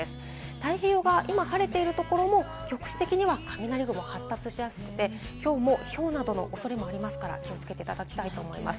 太平洋側、今、晴れているところも、局地的には雷雲が発達しやすくて、きょうもひょうなどのおそれもありますから気をつけていただきたいと思います。